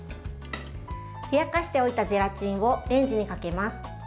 ふやかしておいたゼラチンをレンジにかけます。